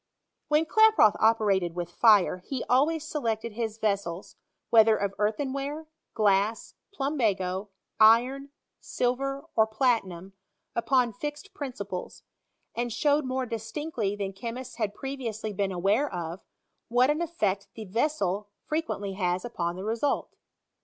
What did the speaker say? When Klaproth operated with fire, he always se lected his vessels, whether of earthenware, glass, plumbago, iron, silver, or platinum, upon fixed principles; and showed more distinctly than che mists had previously been aware of, what an effect the vessel frequently has upon the result.